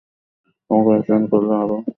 আমাকে অনুসরণ করলে, আরো আগে পৌঁছাতে পারতেন।